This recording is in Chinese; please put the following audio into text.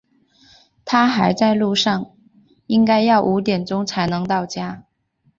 他还在路上，应该要五点钟才能到家。